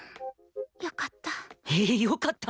よかった。